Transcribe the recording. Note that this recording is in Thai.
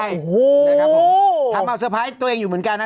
โอ้โหนะครับผมทำเอาเซอร์ไพรส์ตัวเองอยู่เหมือนกันนะ